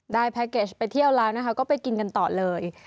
แพ็คเกจไปเที่ยวแล้วนะคะก็ไปกินกันต่อเลย